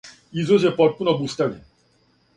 Извоз је потпуно обустављен.